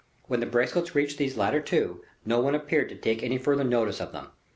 When the bracelets reached these two latter, no one appeared to take any further notice of them.